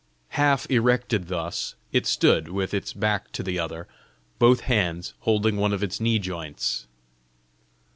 Half erected thus, it stood with its back to the other, both hands holding one of its knee joints.